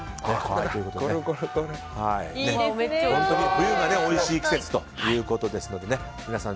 冬がおいしい季節ということですので皆さん